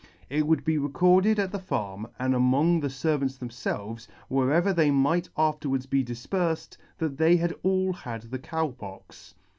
It would be recorded at the farm, and among the fervants themfelves, wherever they might afterwards be difperfed, that they had all had the Cow Pox.